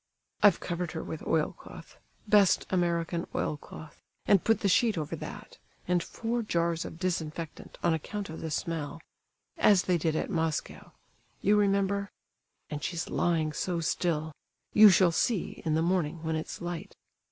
"I've covered her with oilcloth—best American oilcloth, and put the sheet over that, and four jars of disinfectant, on account of the smell—as they did at Moscow—you remember? And she's lying so still; you shall see, in the morning, when it's light.